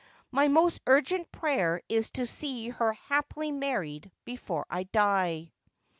My most urgent prayer is to see her happily married before I die.'